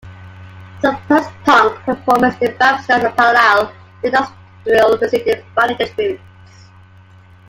Some post-punk performers developed styles parallel to industrial music's defining attributes.